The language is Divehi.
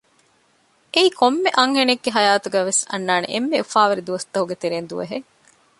އެއީ ކޮންމެ އަންހެނެއްގެ ހަޔާތުގައިވެސް އަންނާނެ އެންމެ އުފާވެރި ދުވަސްތަކުގެ ތެރެއިން ދުވަހެއް